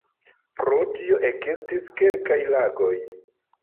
Pro tio ekestis kelkaj lagoj.